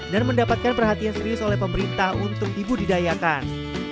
dan mendapatkan perhatian serius oleh pemerintah untuk ibu didayakan